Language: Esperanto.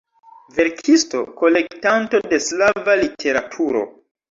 Verkisto, kolektanto de slava literaturo.